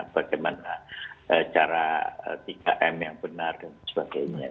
bagaimana cara tiga m yang benar dan sebagainya